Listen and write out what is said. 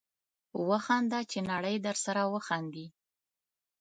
وخانده چې نړۍ درسره وخاندي